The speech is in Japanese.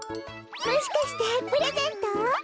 もしかしてプレゼント？